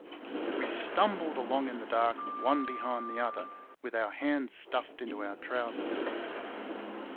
We stumbled along in the dark one behind the other, with our hands stuffed into our trousers.